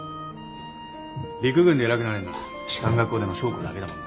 陸軍で偉くなれるのは士官学校出の将校だけだもんな。